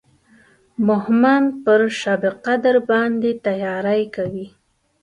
مهمند پر شبقدر باندې تیاری کوي.